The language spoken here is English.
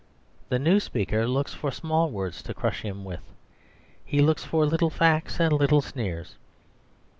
The new speaker looks for small words to crush him with. He looks for little facts and little sneers.